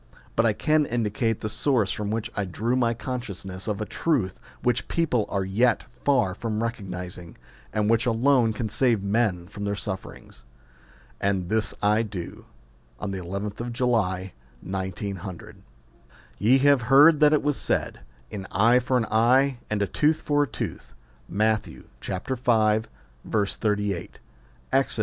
But I can indicate the source from which I drew my consciousness of a truth which people are yet far from recog nising, and which alone can save men from their sufferings. And this I do Uth July 1900. YE have heard that it was said, An eye for an eye, and a tooth for a tooth. Matt. v. 38 ; Ex. xxi.